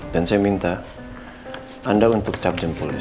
dan saya minta anda untuk capjem pulis